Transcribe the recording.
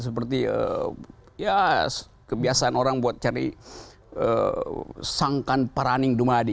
seperti ya kebiasaan orang buat cari sangkan paraning dumadi